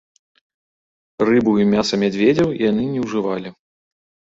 Рыбу і мяса мядзведзяў яны не ўжывалі.